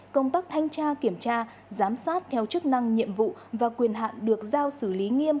công tác thanh tra kiểm tra giám sát theo chức năng nhiệm vụ và quyền hạn được giao xử lý nghiêm